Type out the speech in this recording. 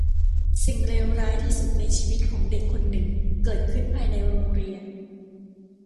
สิ่งเลวร้ายที่สุดในชีวิตของเด็กคนหนึ่งเกิดขึ้นภายในโรงเรียน